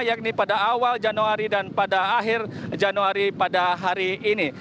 yakni pada awal januari dan pada akhir januari pada hari ini